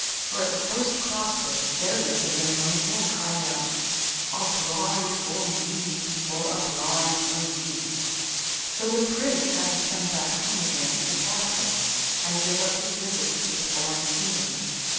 For, at the first cross ways, there lay the Lindworm again, crying out, "A bride for me before a bride for you!" So the Prince had to turn back home again to the Castle, and give up his visits to the foreign kingdoms.